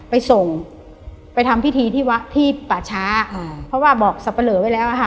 ไปส่งไปทำพิธีที่ฐะทีปัชฌาอ่ะเพราะว่าบอกสัปดาห์เวอร์ไว้แล้วอ่ะฮะ